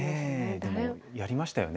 でもやりましたよね